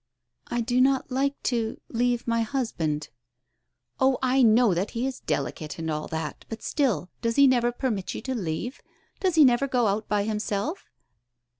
" I do not like to — leave my husband." "Oh, I know that he is delicate and all that, but still, does he never permit you to leave him ? Does he never go out by himself